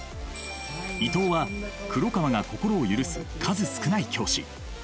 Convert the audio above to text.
伊藤は黒川が心を許す数少ない教師。